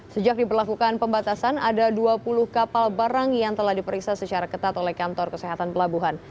sejak diberlakukan pembatasan ada dua puluh kapal barang yang telah diperiksa secara ketat oleh kantor kesehatan pelabuhan